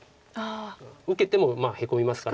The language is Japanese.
受けてもヘコみますから。